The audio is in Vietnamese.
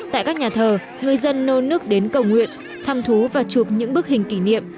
tại các nhà thờ người dân nôn nước đến cầu nguyện thăm thú và chụp những bức hình kỷ niệm